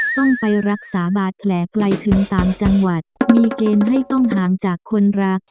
ต้องไปรักษาบาดแผลไกลถึงต่างจังหวัดมีเกณฑ์ให้ต้องห่างจากคนรัก